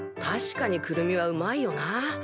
確かにくるみはうまいよな。